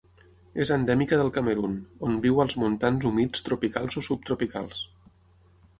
És endèmica del Camerun, on viu als montans humits tropicals o subtropicals.